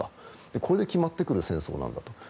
これで決まってくる戦争なんだと。